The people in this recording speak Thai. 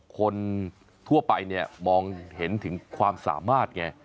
คนทั่วไปเนี่ยมองเห็นถึงความสามารถไง